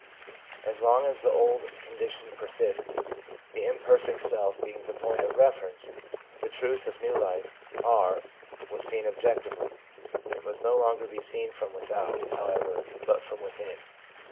As long as the old condition persisted, the imperfect self being the point of reference, the truth of new life, r, was seen objectively ; it must no longer be seen from without, however, but from within.